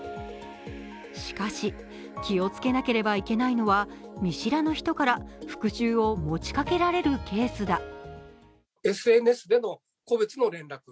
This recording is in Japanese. しかし、気をつけなければいけないのは見知らぬ人から復しゅうを持ちかけられるケースだ。